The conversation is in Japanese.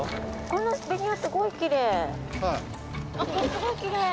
このベニヤ、すごいきれい。